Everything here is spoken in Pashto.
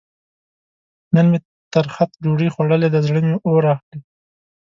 نن مې ترخه ډوډۍ خوړلې ده؛ زړه مې اور اخلي.